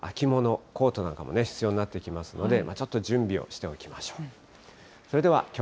日曜日以降は秋物、コートなんかも必要になってきますので、ちょっと準備をしておきましょう。